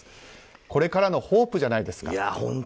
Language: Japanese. これからのホープじゃないですか。